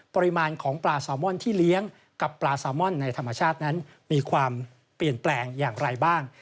ปริมาณของปลาซาวมอนที่เลี้ยงกับปลาซามอนในธรรมชาตินั้นมีความเปลี่ยนแปลงอย่างไรบ้าง